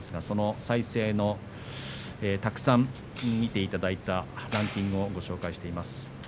その再生のたくさん見ていただいたランキングをご紹介しています。